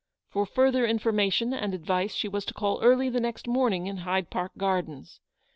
For further information and advice she was to call early the next morning in Hyde Park Gardens.